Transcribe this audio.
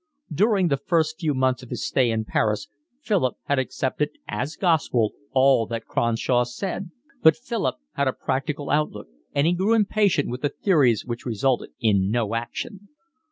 During the first few months of his stay in Paris Philip had accepted as gospel all that Cronshaw said, but Philip had a practical outlook and he grew impatient with the theories which resulted in no action.